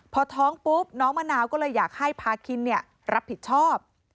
พอท้องปุ๊บน้องมะนาวก็เลยอยากให้พาคินรับผิดชอบ